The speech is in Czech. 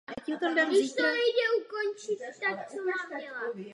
Afriky v Atlantiku od nového Skotska po Malé Antily.